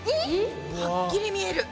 はっきり見える。